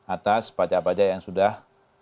atas pajak pajak yang sudah